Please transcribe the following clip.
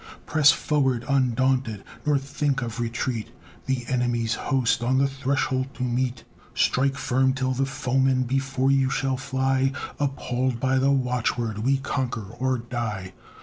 Press forward undaunted nor think of retreat, The enemy's host on the threshold to meet; Strike firm, till the foeman before you shall fly, Appalled by the watchword, "We conquer or die."